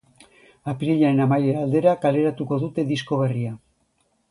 Apirilaren amaiera aldera kaleratuko dute disko berria.